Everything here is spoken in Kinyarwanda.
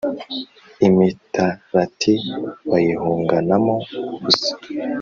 Imitarati bayihunganamo ubusa: